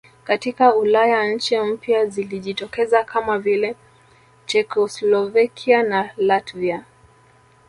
Katika Ulaya nchi mpya zilijitokeza kama vile Chekoslovakia na Latvia